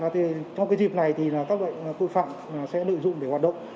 trong dịp này các loại tội phạm sẽ lựa dụng để hoạt động